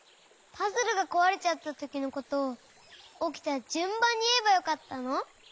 パズルがこわれちゃったときのことをおきたじゅんばんにいえばよかったの？